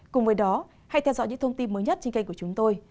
cùng với đó hãy theo dõi những thông tin mới nhất trên kênh của chúng tôi